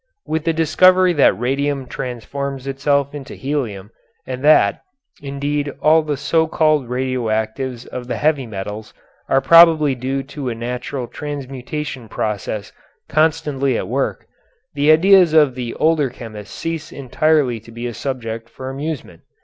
With the discovery that radium transforms itself into helium, and that, indeed, all the so called radioactivities of the heavy metals are probably due to a natural transmutation process constantly at work, the ideas of the older chemists cease entirely to be a subject for amusement.